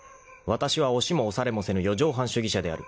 ［わたしは押しも押されもせぬ四畳半主義者である］